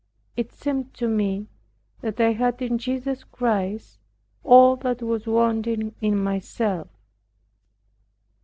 It seemed to me that I had in Jesus Christ all that was wanting in myself.